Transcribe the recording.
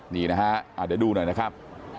นี่นะฮะเดี๋ยวดูหน่อยนะครับ